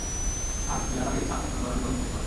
আর ইয়াকারির ছাপ অনুসরণ করা বিপজ্জনক হতে পারে।